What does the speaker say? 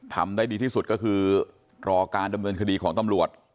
ทำได้ดีที่สุดก็คือรอการดำเนินคดีของตำรวจ